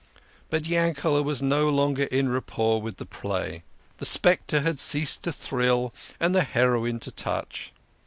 But Yankele was no longer in rapport with the play ; the spectre had ceased to thrill and the heroine to touch.